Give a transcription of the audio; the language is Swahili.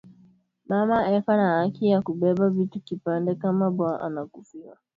Mama eko na haki ya ku beba vitu kipande kama bwa anakufwa